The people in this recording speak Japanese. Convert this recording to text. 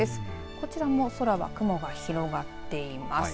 こちらも空は雲が広がっています。